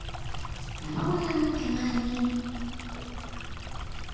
山小屋の手前に。